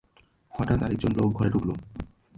হঠাৎ আরেক জন লোক ঘরে ঢুকল।